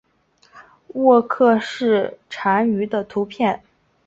沃克氏蟾鱼的图片